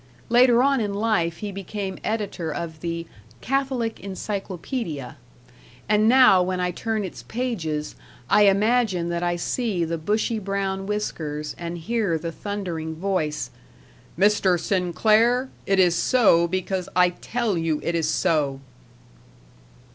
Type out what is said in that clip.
Later on in life he became editor of the "Catholic Encyclopedia", and now when I turn its pages, I imagine that I see the bushy brown whiskers, and hear the thundering voice: "Mr. Sinclair, it is so because I tell you it is so!"